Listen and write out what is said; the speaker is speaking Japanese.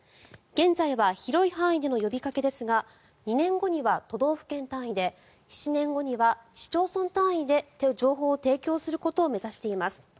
現在は広い範囲での呼びかけですが２年後には都道府県単位で７年後には市町村単位で情報を提供することを目指しています。